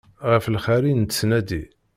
Ɣef lxir i nettnadi.